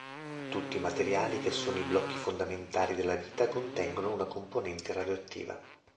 Tutti i materiali che sono i blocchi fondamentali della vita contengono una componente radioattiva.